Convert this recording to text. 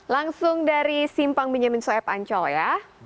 langsung dari simpang benyamin soeb ancol ya